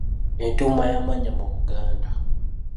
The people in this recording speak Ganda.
Entuuma y’amannya mu Buganda.